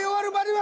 は